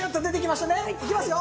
いきますよ。